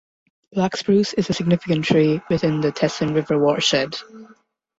Black Spruce is a significant tree within the Teslin River watershed.